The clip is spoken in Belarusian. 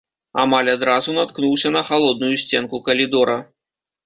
Амаль адразу наткнуўся на халодную сценку калідора.